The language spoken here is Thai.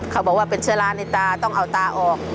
เขาบอกว่าเป็นเชื้อราในตาต้องเอาตาออก